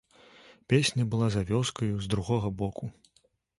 Песня была за вёскаю, з другога боку.